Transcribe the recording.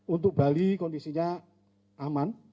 untuk bali kondisinya aman